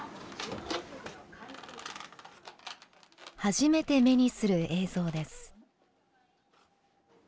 初めて目にする映像です。